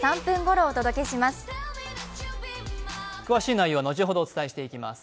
詳しい内容は後ほどお伝えしていきます。